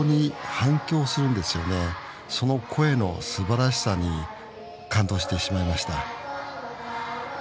その声のすばらしさに感動してしまいました。